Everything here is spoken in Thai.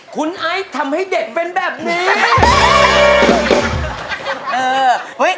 คุณไอซ์ทำให้เด็กเป็นแบบนี้